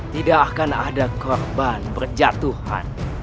tidak akan ada korban berjatuhan